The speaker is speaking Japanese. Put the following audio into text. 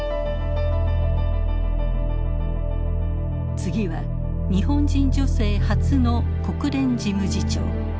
次は日本人女性初の国連事務次長中満泉氏。